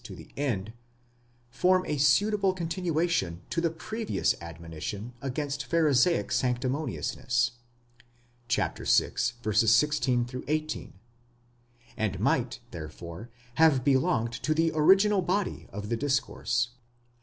to the end, form a suitable continuation to the previous admonition against Pharisaic sanctimoniousness (vi. 16 18), and might, therefore, have belonged to the original body of the discourse.